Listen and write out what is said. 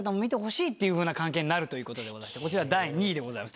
こちら第２位でございます。